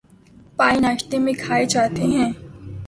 پائے ناشتے میں کھائے جاتے ہیں